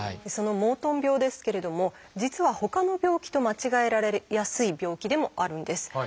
そのモートン病ですけれども実はほかの病気と間違えられやすい病気でもあるんです。